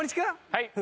はい。